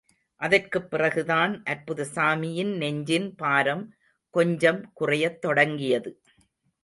அதற்குப் பிறகுதான் அற்புதசாமியின் நெஞ்சின் பாரம், கொஞ்சம் குறையத் தொடங்கியது.